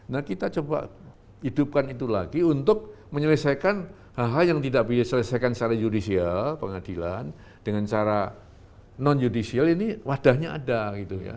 nah kita coba hidupkan itu lagi untuk menyelesaikan hal hal yang tidak bisa diselesaikan secara judicial pengadilan dengan cara non judicial ini wadahnya ada gitu ya